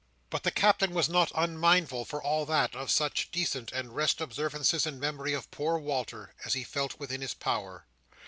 But the Captain was not unmindful, for all that, of such decent and rest observances in memory of poor Walter, as he felt within his power.